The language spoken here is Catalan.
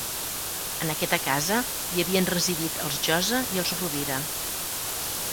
En aquesta casa hi havien residit els Josa i els Rovira.